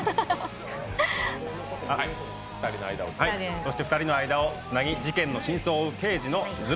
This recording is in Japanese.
そして、２人の間をつなぎ、事件の真相を追うゆずる。